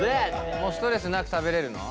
もうストレスなく食べれるの？